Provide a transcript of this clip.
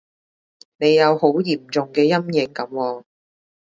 你有好嚴重嘅陰影噉喎